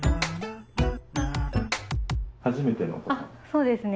そうですね。